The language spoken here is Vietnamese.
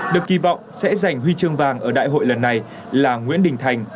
được kỳ vọng sẽ giành huy chương vàng ở đại hội lần này là nguyễn đình thành